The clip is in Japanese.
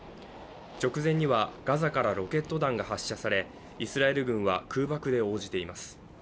直前にはガザからロケット弾が発射され、イスラエル軍は空爆で応じています。